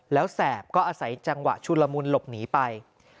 แล้วแสบก็อาศัยจังหวะชุลมุนหลบหนีไป